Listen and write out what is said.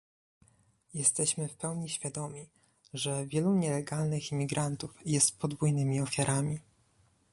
Jesteśmy w pełni świadomi, że wielu nielegalnych imigrantów jest podwójnymi ofiarami